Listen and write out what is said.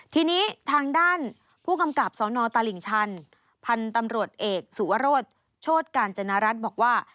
ทีนี้ทางด้านผู้กำกับสนตลิ่งชันพันธุ์ตำรวจเอกสุวรสโชธกาญจนรัฐบอกว่า